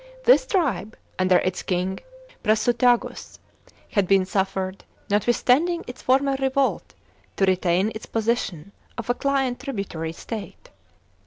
This tribe, under its king Piasutag"s, had been suffered, notwith standing its former revolt, to r tain its position of a client tributary state.